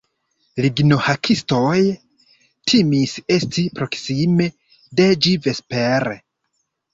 Lignohakistoj timis esti proksime de ĝi vespere.